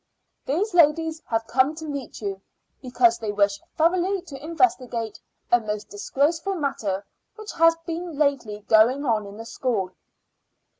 These ladies have come to meet you, because they wish thoroughly to investigate a most disgraceful matter which has lately been going on in the school."